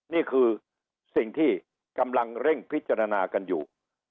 นี่คือสิ่งที่กำลังเร่งพิจารณากันอยู่